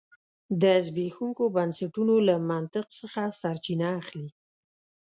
د زبېښونکو بنسټونو له منطق څخه سرچینه اخلي.